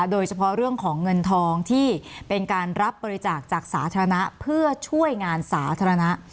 โดยเฉพาะเรื่องของเงินทองที่เป็นการรับบริจาคจากสาธารณะเพื่อช่วยงานสาธารณะ